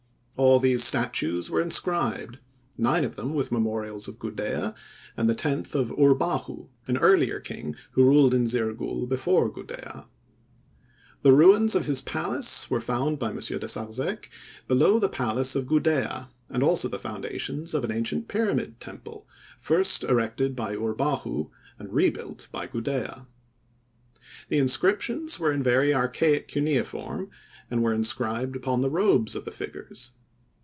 All these statues were inscribed; nine of them with memorials of Gudea, and the tenth of Urbahu, an earlier king who ruled in Zirgul before Gudea. The ruins of his palace were found by M. de Sarzec below the palace of Gudea, and also the foundations of an ancient pyramid temple first erected by Urbahu and rebuilt by Gudea. The inscriptions were in very archaic cuneiform and were incised upon the robes of the figures.